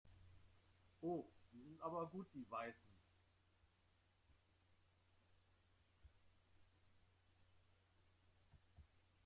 Oh, die sind aber gut die Weißen.